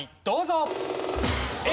どうぞ！